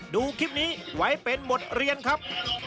ดูคลิปนี้ไว้เป็นบทเรียนครับ